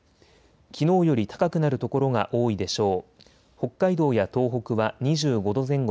きのうより高くなる所が多いでしょう。